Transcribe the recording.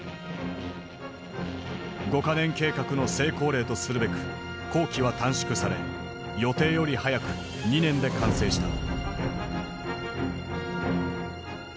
五か年計画の成功例とするべく工期は短縮され予定より早く２年で完成した。